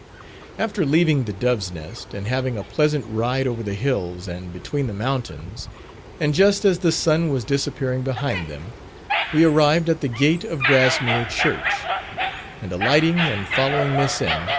After leaving the Dove's Nest, and having a pleasant ride over the hills and between the mountains, and just as the sun was disappearing behind them, we arrived at the gate of Grassmere Church; and alighting and following Miss M.